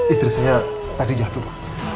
istri saya tadi jatuh